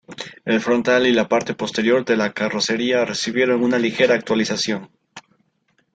El frontal y la parte posterior de la carrocería recibieron una ligera actualización.